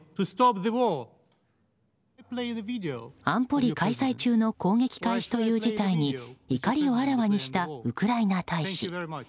安保理開催中の攻撃開始という事態に怒りをあらわにしたウクライナ大使。